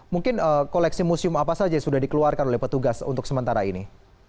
mungkin koleksi museum apa saja yang sudah dikeluarkan oleh petugas untuk sementara ini